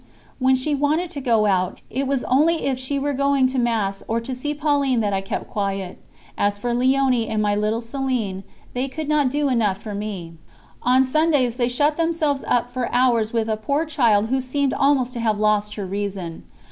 When she wanted to go out, it was only if she were going to Mass or to see Pauline that I kept quiet. As for Léonie and my little Céline, they could not do enough for me. On Sundays they shut themselves up for hours with a poor child who seemed almost to have lost her reason.